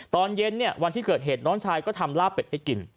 ตอนเย็นวันที่เกิดเหตุน้องชายก็ทำลาบเป็ดให้กิน